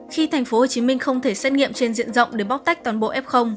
khi tp hcm không thể xét nghiệm trên diện rộng để bóc tách toàn bộ f